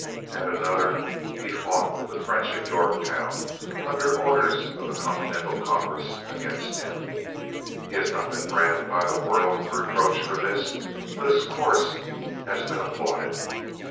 At another he fought with the French at Yorktown, under the orders of the Continental Congress, against him. He has not been branded by the world with reproach for this; but his course has been applauded."